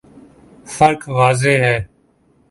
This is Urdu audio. فرق واضح ہے۔